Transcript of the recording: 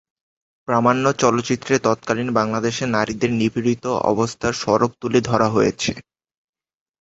প্রামাণ্য চলচ্চিত্রে তৎকালীন বাংলাদেশে নারীদের নিপীড়িত অবস্থার স্বরূপ তুলে ধরা হয়েছে।